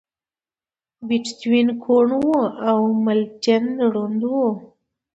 بيتووين کوڼ و او ملټن ړوند و.